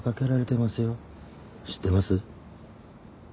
知ってます？